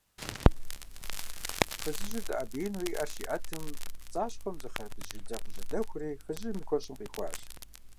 Фызыжьыр дэӀэбеину и Ӏэр щиӀэтым, пцӀащхъуэм зы хъэрбыз жылэ къыжьэдэхури фызыжьым и куэщӀыым къихуащ.